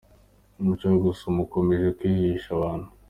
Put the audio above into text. Umuco wo gusoma ukomeje kwihisha abantu.